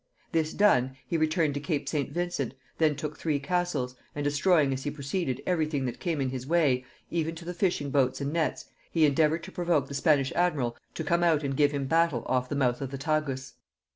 This done, he returned to Cape St. Vincent; then took three castles; and destroying as he proceeded every thing that came in his way, even to the fishing boats and nets, he endeavoured to provoke the Spanish admiral to come out and give him battle off the mouth of the Tagus.